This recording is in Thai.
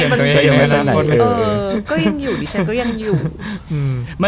ก็ยังอยู่ดิฉันก็ยังอยู่